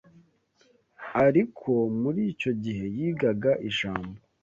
ariko muri icyo gihe yigaga ijambo